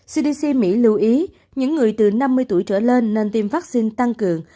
cdc mỹ lưu ý những người từ năm mươi tuổi trở lên nên tiêm vaccine tăng cường